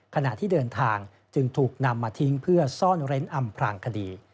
ขณะที่เดินทางจึงถูกนำมาทิ้งเพื่อซ่อนเร้นอำพลางคดี